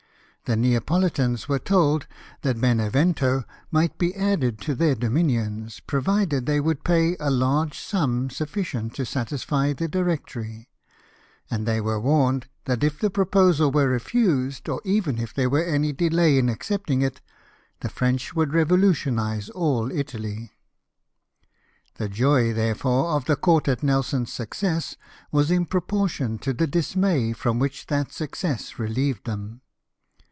The Neapolitans were told that Benevento might be added to their do minions, provided they would pay a large sum sufficient to satisfy the Directory ; and they were warned that if the proposal were refused, or even if there were any delay in accepting it, the French would revolutionise all Italy. The joy, therefore, of the Court at Nelson's success was in proportion to the dismay from which that success relieved them.